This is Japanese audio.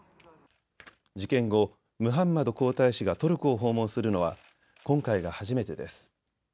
事件後、ムハンマド皇太子がトルコを訪問するのは今回が初めてです。